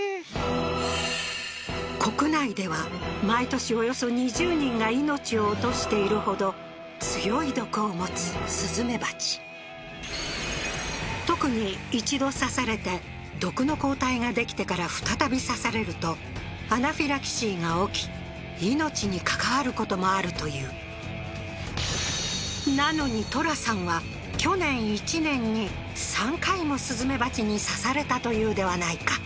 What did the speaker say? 国内では毎年およそ２０人が命を落としているほど強い毒を持つスズメバチ特に一度刺されて毒の抗体ができてから再び刺されるとアナフィラキシーが起き命に関わることもあるというなのにトラさんはしかも行かないんですか？